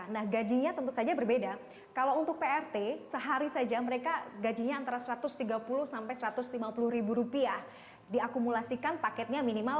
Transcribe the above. nah gajinya tentu saja berbeda kalau untuk prt sehari saja mereka gajinya antara satu ratus tiga puluh sampai satu ratus lima puluh ribu rupiah diakumulasikan paketnya minimal